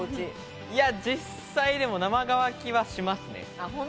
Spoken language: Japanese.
実際、生乾きはしますね。